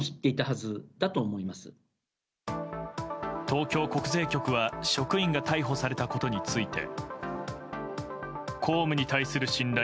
東京国税局は職員が逮捕されたことについて。